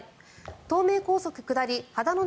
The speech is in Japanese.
東名高速下り秦野